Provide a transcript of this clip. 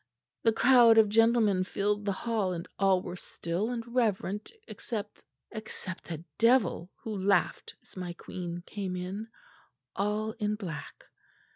The crowd of gentlemen filled the hall and all were still and reverent except except a devil who laughed as my queen came in, all in black.